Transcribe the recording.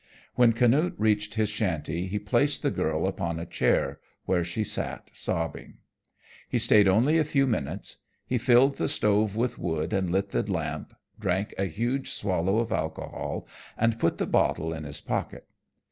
When Canute reached his shanty he placed the girl upon a chair, where she sat sobbing. He stayed only a few minutes. He filled the stove with wood and lit the lamp, drank a huge swallow of alcohol and put the bottle in his pocket.